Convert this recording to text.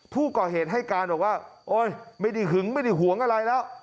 ผู้ก่อเหตุให้การบอกว่าโอ๊ยไม่ได้หึงไม่ได้หวงอะไรแล้ว